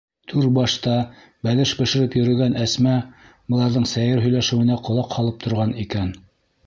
Түрбашта бәлеш бешереп йөрөгән Әсмә быларҙың сәйер һөйләшеүенә ҡолаҡ һалып торған икән.